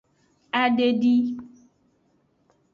Adedi.